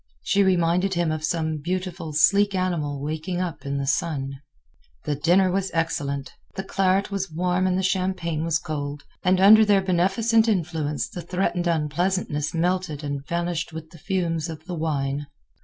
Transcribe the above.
She reminded him of some beautiful, sleek animal waking up in the sun. The dinner was excellent. The claret was warm and the champagne was cold, and under their beneficent influence the threatened unpleasantness melted and vanished with the fumes of the wine.